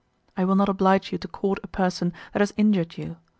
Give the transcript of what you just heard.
I will not oblige you to court a person that has injured you.